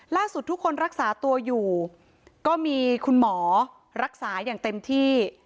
ล่าสุดทุกคนรักษาตัวอยู่ก็มีคุณหมอรักษาอย่างเต็มที่